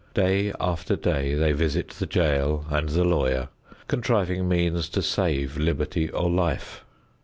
Day after day they visit the jail and the lawyer, contriving means to save liberty or life.